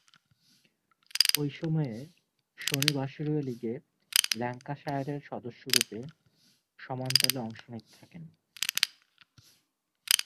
ঐ সময়ে শনিবাসরীয় লীগে ল্যাঙ্কাশায়ারের সদস্যরূপে সমান তালে অংশ নিতে থাকেন।